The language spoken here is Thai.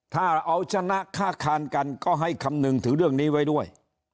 ถ้าเอาชนะค่าคานกันก็ให้คำนึงถึงเรื่องนี้ไว้ด้วย